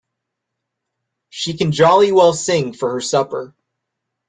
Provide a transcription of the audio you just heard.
She can jolly well sing for her supper!